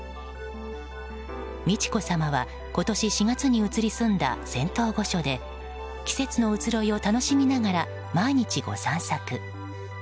美智子さまは、今年４月に移り住んだ仙洞御所で季節の移ろいを楽しみながら毎日ご散策。